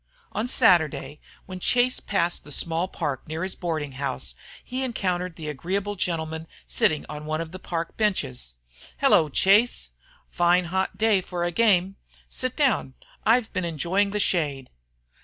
On Saturday, when Chase passed the small park near his boarding house, he encountered the agreeable gentleman sitting on one of the park benches. "Hello, Chase. Fine hot day for the game. Sit down. I've been enjoying the shade."